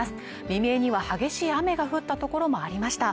未明には激しい雨が降ったところもありました